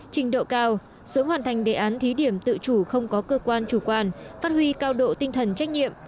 trình độ cao sớm hoàn thành đề án thí điểm tự chủ không có cơ quan chủ quan phát huy cao độ tinh thần trách nhiệm